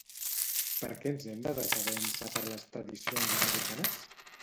Perquè ens hem de deixar vèncer per les tradicions americanes?